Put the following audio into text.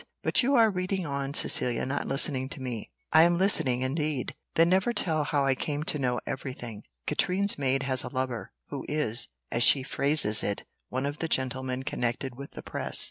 But you are reading on, Cecilia, not listening to me." "I am listening, indeed." "Then never tell how I came to know every thing. Katrine's maid has a lover, who is, as she phrases it, one of the gentlemen connected with the press.